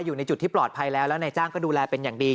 อยู่ในจุดที่ปลอดภัยแล้วแล้วนายจ้างก็ดูแลเป็นอย่างดี